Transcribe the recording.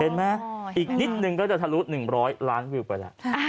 เห็นไหมอีกนิดหนึ่งก็จะทะลุ๑๐๐ล้านวิวไปแล้ว